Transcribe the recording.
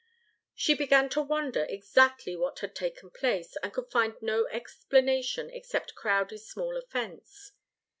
She began to wonder exactly what had taken place, and could find no explanation except Crowdie's small offence.